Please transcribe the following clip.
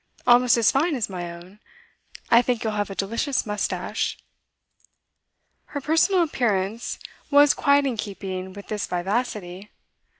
Almost as fine as my own. I think you'll have a delicious moustache.' Her personal appearance was quite in keeping with this vivacity.